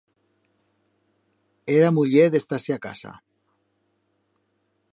Era muller d'estar-se a casa.